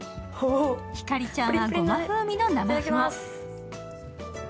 ひかりちゃんは、ごま風味の生麩を。